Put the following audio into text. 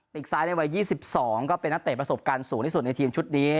กซ้ายในวัย๒๒ก็เป็นนักเตะประสบการณ์สูงที่สุดในทีมชุดนี้